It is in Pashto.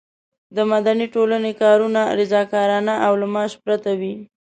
د مدني ټولنې کارونه رضاکارانه او له معاش پرته وي.